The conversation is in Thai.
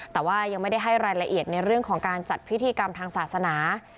แต่ว่ายังไม่ได้ให้รายละเอียดในเรื่องของการจัดพิธีกรรมทางศาสนา